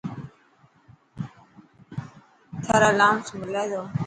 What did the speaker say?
ٿر الاونس ملي تو.